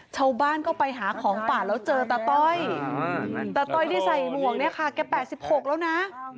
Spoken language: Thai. ชาวบ้านก็ไปหาของป่าแล้วเจอตาต้อยตาต้อยที่ใส่หมวกเนี่ยค่ะแก๘๖แล้วนะ